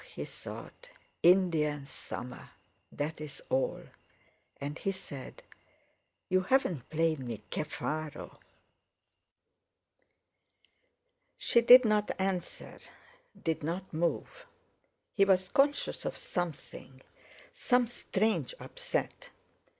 he thought, "Indian summer—that's all!" and he said: "You haven't played me 'Che faro.'" She did not answer; did not move. He was conscious of something—some strange upset.